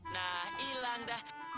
nah hilang dah